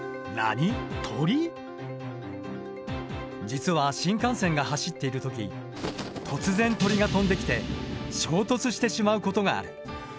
実は新幹線が走っている時突然鳥が飛んできて衝突してしまうことがある。